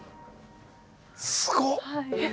すごっ。